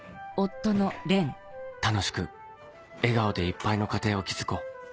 「楽しく笑顔でいっぱいの家庭を築こう」